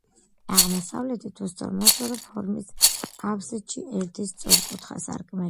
აღმოსავლეთით უსწორმასწორო ფორმის აბსიდში ერთი სწორკუთხა სარკმელია.